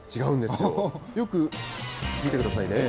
よく見てくださいね。